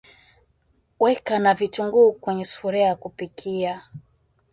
weka na vitunguu kwenye sufuria ya kupikia